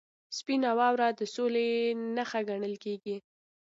• سپینه واوره د سولې نښه ګڼل کېږي.